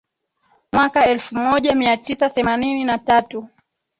mwaka elfu moja mia tisa themanini na tatu